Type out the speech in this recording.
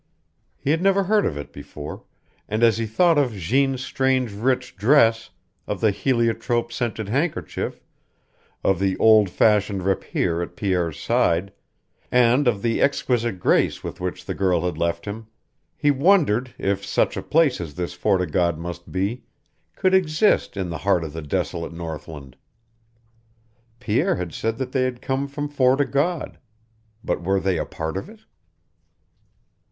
He had never heard of it before, and as he thought of Jeanne's strange, rich dress, of the heliotrope scented handkerchief, of the old fashioned rapier at Pierre's side, and of the exquisite grace with which the girl had left him he wondered if such a place as this Fort o' God must be could exist in the heart of the desolate northland. Pierre had said that they had come from Fort o' God. But were they a part of it?